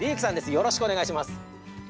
よろしくお願いします。